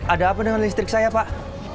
ada apa dengan listrik saya pak